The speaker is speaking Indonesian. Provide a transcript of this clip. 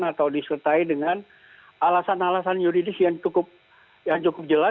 atau disertai dengan alasan alasan yuridis yang cukup jelas